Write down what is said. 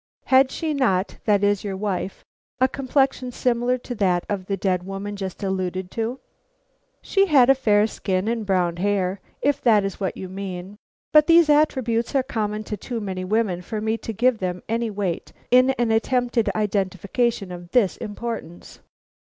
"Had she not that is, your wife a complexion similar to that of the dead woman just alluded to?" "She had a fair skin and brown hair, if that is what you mean. But these attributes are common to too many women for me to give them any weight in an attempted identification of this importance."